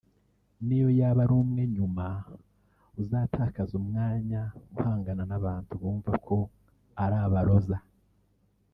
n’iyo yaba ari umwe nyuma uzatakaza umwanya uhangana n’abantu bumva ko ari aba-losers